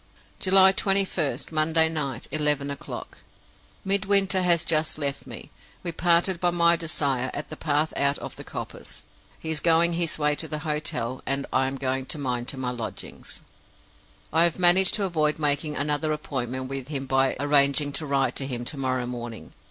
"July 21st, Monday night, eleven o'clock. Midwinter has just left me. We parted by my desire at the path out of the coppice; he going his way to the hotel, and I going mine to my lodgings. "I have managed to avoid making another appointment with him by arranging to write to him to morrow morning.